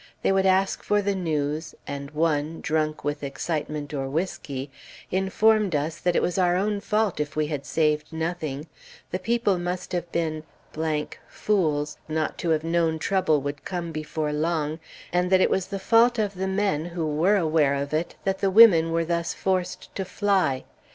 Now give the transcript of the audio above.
They would ask for the news, and one, drunk with excitement or whiskey, informed us that it was our own fault if we had saved nothing, the people must have been fools not to have known trouble would come before long, and that it was the fault of the men, who were aware of it, that the women were thus forced to fly.